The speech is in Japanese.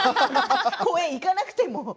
公園に行かなくてもいい。